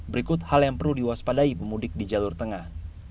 berikut hal yang perlu diwaspadai pemudik di jalur tengah